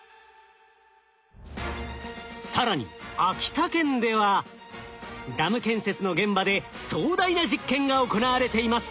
更に秋田県ではダム建設の現場で壮大な実験が行われています。